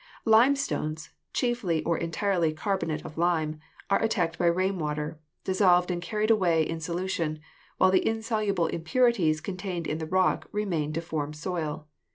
Limestones, chiefly or entirely carbonate of lime, are attacked by rain water, dissolved and carried away in solu tion, while the insoluble impurities contained in the rock remain to form soil.